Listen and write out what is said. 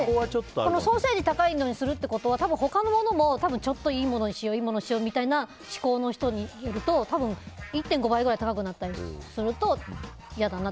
ソーセージを高いのにするってことは多分、他のものもちょっといいものにしようみたいな思考の人に寄ると１．５倍くらい高くなると嫌だな。